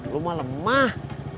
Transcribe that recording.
lu mah lemah